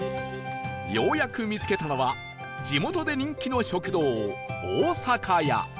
ようやく見つけたのは地元で人気の食堂